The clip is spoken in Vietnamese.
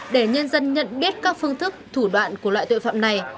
để nhân dân nhận biết các phương thức thủ đoạn của loại tội phạm này